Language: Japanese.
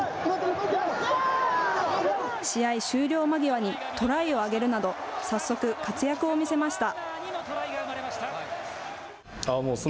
試合終了間際にトライを挙げるなど、早速活躍を見せました。